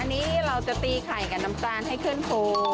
อันนี้เราจะตีไข่กับน้ำตาลให้ขึ้นโพ